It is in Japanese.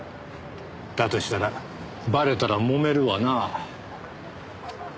だとしたらバレたらもめるわなぁ。